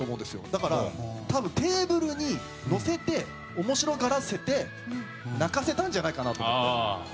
だから、多分テーブルに乗せて面白がらせて泣かせたんじゃないかなと思って。